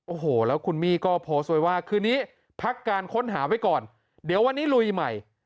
โอ้โหแล้วคุณมี่ก็โพสต์ไว้ว่าคืนนี้พักการค้นหาไว้ก่อนเดี๋ยววันนี้ลุยใหม่